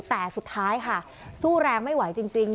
แต่สุดท้ายค่ะสู้แรงไม่ไหวจริง